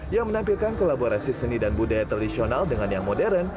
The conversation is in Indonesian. yang menampilkan kolaborasi seni dan budaya tradisional dengan yang modern